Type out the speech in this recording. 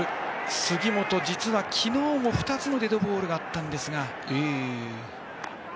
杉本、実は昨日も２つのデッドボールがあったんですが。